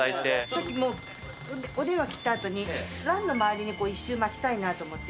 ちょっともう、お電話切ったあとに、ランの周りに一周まきたいなと思って。